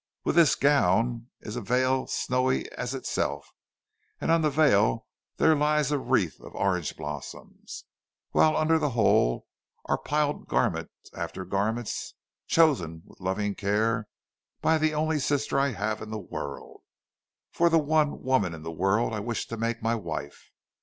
With this gown is a veil snowy as itself, and on the veil there lies a wreath of orange blossoms, while under the whole are piled garments after garments, chosen with loving care by the only sister I have in the world, for the one woman in that world I wish to make my wife.